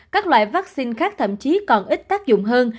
các loại vaccine khác thậm chí còn ít tác dụng hơn